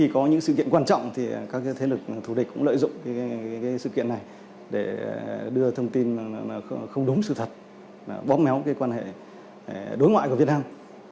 các thế lực thủ địch cũng lợi dụng sự kiện này để đưa thông tin không đúng sự thật bóp méo quan hệ đối ngoại của việt nam